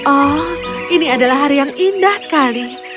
oh ini adalah hari yang indah sekali